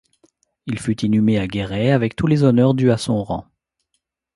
Il fut inhumé à Guéret avec tous les honneurs dus à son rang.